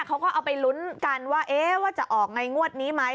เขาก็เอาไปลุ้นกันว่าจะออกในงวดนี้ไหม